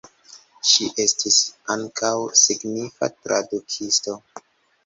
Ŝi estis ankaŭ signifa tradukisto.